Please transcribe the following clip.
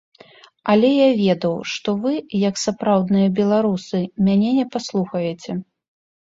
Але я ведаў, што вы, як сапраўдныя беларусы, мяне не паслухаеце.